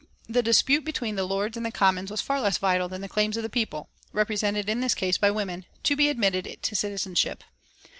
The dispute between the Lords and the Commons was far less vital than the claims of the people represented in this case by women to be admitted to citizenship.